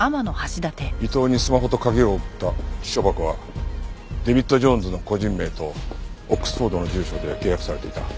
伊藤にスマホと鍵を送った私書箱は「デビッド・ジョーンズ」の個人名とオックスフォードの住所で契約されていた。